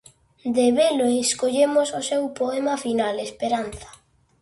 De "Velo" escollemos o seu poema final: "Esperanza".